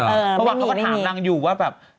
เพราะว่าเขาก็ถามนางอยู่ว่าแบบ